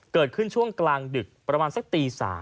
เกิดขึ้นช่วงกลางดึกประมาณสักตี๓